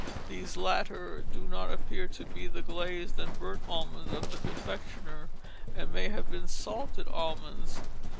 These latter do not appear to be the glazed and burnt almonds of the confectioner, and may have been salted almonds.